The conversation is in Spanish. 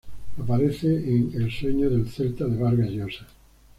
Aparece en "El sueño del Celta" de Vargas Llosa.